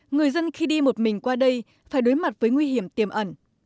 người dân khi đi một mình qua đây phải đối mặt với nguy hiểm tiềm ẩn